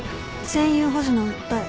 占有保持の訴え。